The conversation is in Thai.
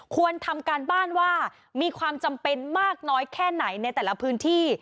ควรทำการบ้านว่ามีความจำเป็นมากน้อยแค่ไหนในแต่ละพื้นที่